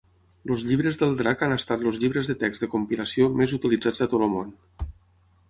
Els llibres del drac han estat els llibres de text de compilació més utilitzats a tot el món.